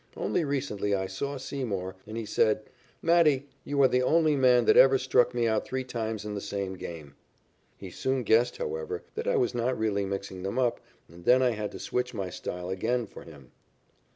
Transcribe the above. Only recently I saw Seymour, and he said: "Matty, you are the only man that ever struck me out three times in the same game." He soon guessed, however, that I was not really mixing them up, and then I had to switch my style again for him.